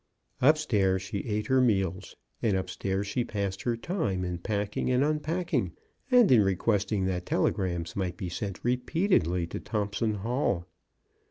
Up stairs she ate her meals, and up stairs she passed her time in packing and unpacking, and in requesting that tele grams might be sent repeatedly to Thompson Hall.